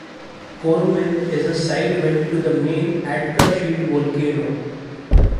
Korovin is a side vent to the main Atka shield volcano.